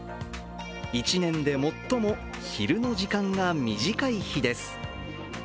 １年で最も昼の時間が短い日です。